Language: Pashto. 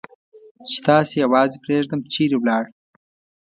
چې تاسې یوازې پرېږدم، چېرې ولاړ؟